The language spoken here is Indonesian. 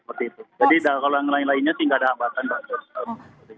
jadi kalau yang lain lainnya sih tidak ada ambatan pak